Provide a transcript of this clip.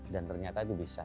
dan ternyata itu bisa